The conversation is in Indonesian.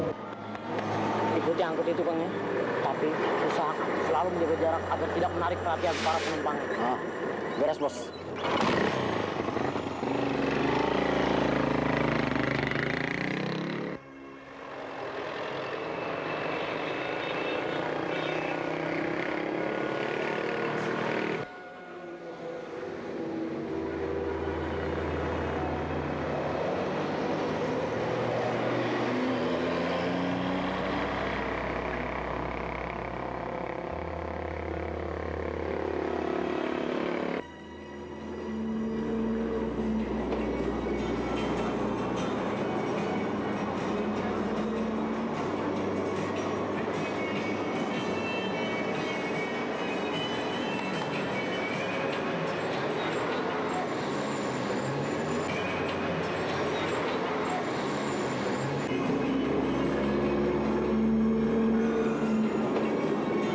anending tiang kalau ada yang tak mau diimbas jari dulu